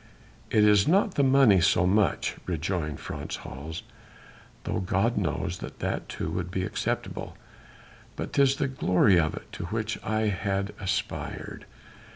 "It is not the money so much," rejoined Frans Hals, "though God knows that that too would be acceptable, but 'tis the glory of it to which I had aspired.